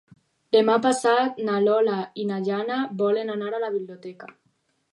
Demà passat na Lola i na Jana volen anar a la biblioteca.